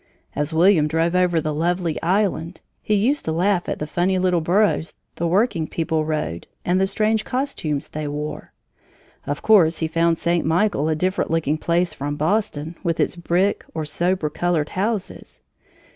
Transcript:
As William drove over the lovely island, he used to laugh at the funny little burros the working people rode and the strange costumes they wore. Of course, he found St. Michael a different looking place from Boston, with its brick, or sober colored houses.